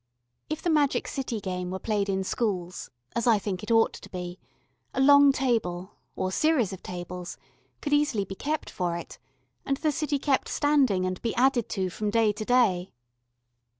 If the magic city game were played in schools, as I think it ought to be, a long table or series of tables could easily be kept for it, and the city kept standing and be added to from day to day.